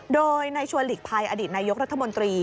โดยในชวนหลีกภัยอดีตนายกรัฐมนตรี